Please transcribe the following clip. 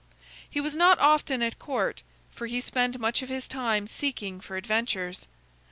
He was not often at court, for he spent much of his time seeking for adventures.